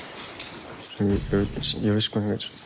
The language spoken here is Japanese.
えよろしくお願いします